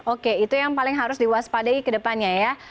oke itu yang paling harus diwaspadai ke depannya ya